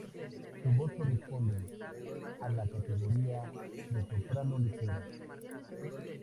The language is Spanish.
Su voz corresponde a la categoría de soprano ligera.